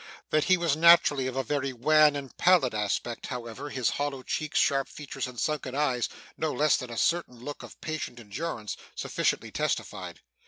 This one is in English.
That he was naturally of a very wan and pallid aspect, however, his hollow cheeks, sharp features, and sunken eyes, no less than a certain look of patient endurance, sufficiently testified.